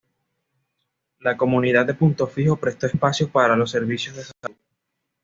La comunidad de Punto Fijo prestó espacios para los servicios de salud.